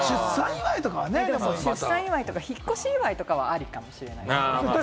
出産祝いとか、引っ越し祝いとかはありかもしれないですね。